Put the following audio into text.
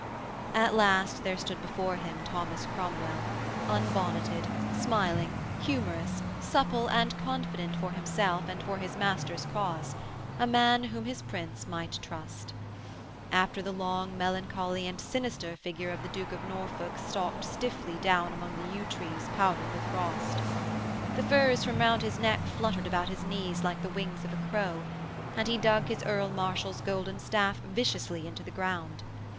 At last there stood before him Thomas Cromwell, un bonneted, smiling, humorous, supple and confident for himself and for his master's cause, a man whom his Prince might trust. And the long melancholy and sinister figure of the Duke of Norfolk stalked stiffly down among the yew trees powdered with frost. The furs from round his neck fluttered about his knees like the wings of a crow, and he dug his Earl Marshal's golden staff viciously into the ground.